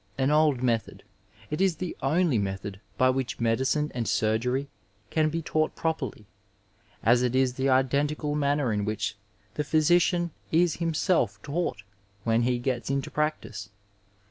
An old method, it is the only method by which medicme and surgery can be taught properly, as it is the identical manner in which the physician is himself taught when he gets into practice.